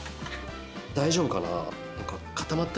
大丈夫かな？